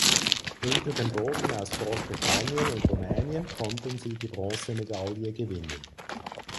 Hinter den Booten aus Großbritannien und Rumänien konnten sie die Bronzemedaille gewinnen.